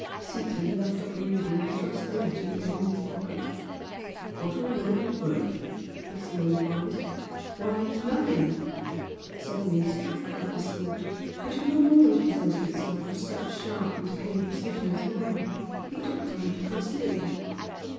Seaton left off reading and thrust the letter again in his pocket. "What will the world be worth?" he soliloquised "Why, nothing!" Suddenly struck by this thought, which had not always presented itself with such sharp and clear precision as now, he took time to consider it.